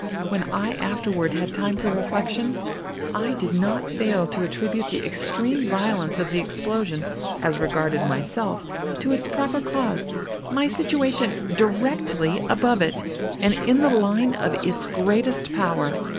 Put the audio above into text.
When I afterward had time for reflection, I did not fail to attribute the extreme violence of the explosion, as regarded myself, to its proper cause—my situation directly above it, and in the line of its greatest power.